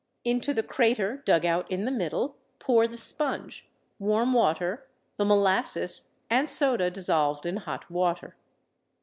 Into the "crater" dug out in the middle, pour the sponge, warm water, the molasses, and soda dissolved in hot water.